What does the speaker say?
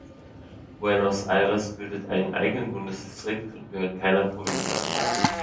Buenos Aires bildet einen eigenen Bundesdistrikt und gehört keiner Provinz an.